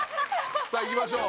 さあいきましょう。